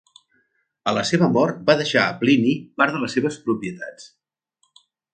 A la seva mort va deixar a Plini part de les seves propietats.